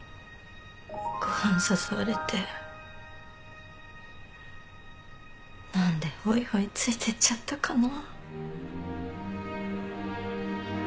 ご飯誘われて何でほいほいついてっちゃったかな。